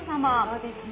そうですね。